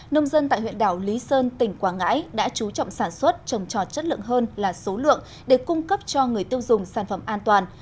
nông dân tại huyện đảo lý sơn tỉnh quảng ngãi đã chú trọng sản xuất trồng trò chất lượng hơn là số lượng để cung cấp cho người tiêu dùng sản phẩm an toàn